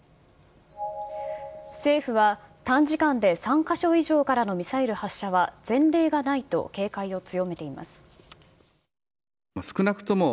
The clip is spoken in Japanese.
政府は短時間で３か所以上からのミサイル発射は前例がないと警戒を強めています。